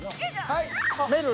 はい。